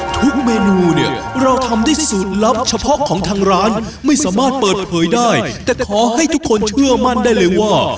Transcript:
ทุกเมนูเนี่ยเราทำได้สูตรลับเฉพาะของทางร้านไม่สามารถเปิดเผยได้แต่ขอให้ทุกคนเชื่อมั่นได้เลยว่า